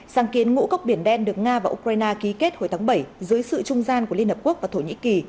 sáng kiến ngũ cốc biển đen được nga và ukraine ký kết hồi tháng bảy dưới sự trung gian của liên hợp quốc và thổ nhĩ kỳ